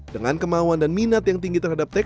dengan kemauan dan minat yang tinggi terhadap teknologi